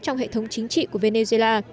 trong hệ thống chính trị của venezuela